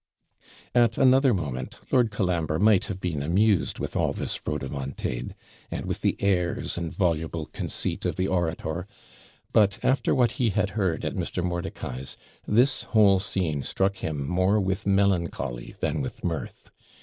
At another moment, Lord Colambre might have been amused with all this rhodomontade, and with the airs and voluble conceit of the orator; but, after what he had heard at Mr. Mordicai's, this whole scene struck him more with melancholy than with mirth.